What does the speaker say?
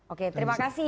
oke terima kasih